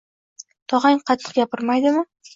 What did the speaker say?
Tog`ang qattiq gapirmaydimi